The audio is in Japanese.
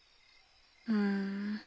ふん。